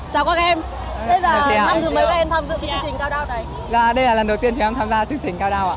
chào các em đây là lần đầu tiên chị em tham gia chương trình cao đao ạ